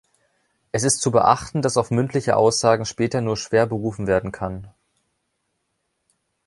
Es ist zu beachten, dass auf mündliche Aussagen später nur schwer berufen werden kann.